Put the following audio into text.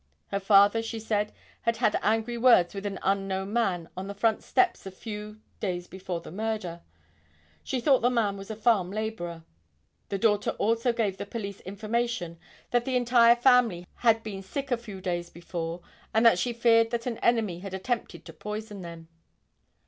Her father she said had had angry words with an unknown man on the front steps a few days before the murder. She thought the man was a farm laborer. The daughter also gave the police information that the entire family had been sick a few days before and that she feared that an enemy had attempted to poison them.